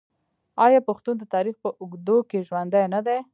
آیا پښتون د تاریخ په اوږدو کې ژوندی نه دی؟